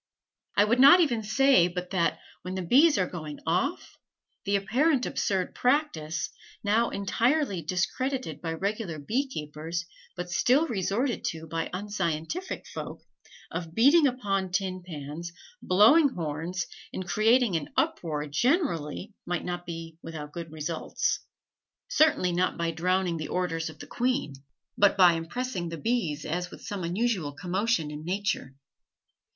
I would not even say but that, when the bees are going off, the apparently absurd practice, now entirely discredited by regular bee keepers but still resorted to by unscientific folk, of beating upon tin pans, blowing horns, and creating an uproar generally, might not be without good results. Certainly not by drowning the "orders" of the queen, but by impressing the bees as with some unusual commotion in nature.